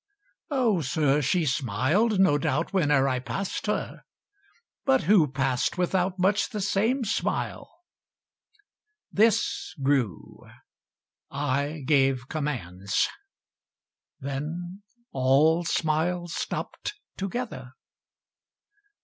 Oh sir, she smiled, no doubt, Whene'er I passed her; but who passed without Much the same smile? This grew; I gave commands; Then all smiles stopped together.